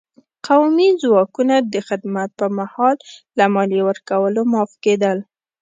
قومي ځواکونه د خدمت په مهال له مالیې ورکولو معاف کېدل.